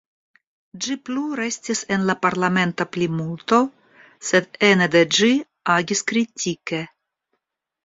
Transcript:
Ĝi plu restis en la parlamenta plimulto, sed ene de ĝi agis kritike.